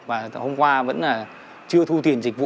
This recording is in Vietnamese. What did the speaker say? và hôm qua vẫn chưa thu tiền dịch vụ